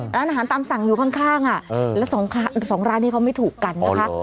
ร้านอาหารตามสั่งอยู่ข้างแล้ว๒ร้านนี้เขาไม่ถูกกันนะคะ